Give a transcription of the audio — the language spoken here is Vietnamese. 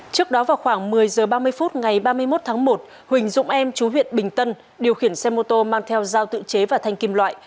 trước đó vào khoảng một mươi h ba mươi phút ngày ba mươi một tháng một huỳnh dũng em chú huyện bình tân điều khiển xe mô tô mang theo giao tự chế và thanh kim loại